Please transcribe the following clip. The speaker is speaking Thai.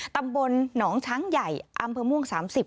ตำบลหนองช้างใหญ่อำเภอม่วง๓๐